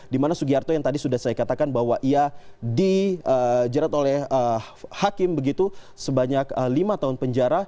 dimana sugiharto yang tadi sudah saya katakan bahwa ia dijerat oleh hakim begitu sebanyak lima tahun penjara